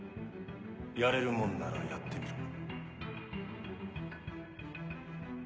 やれるもんならやってみろ。